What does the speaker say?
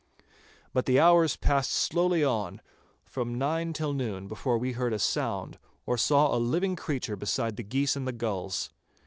But the hours passed slowly on from nine till noon before we heard a sound, or saw a living creature beside the geese and the gulls.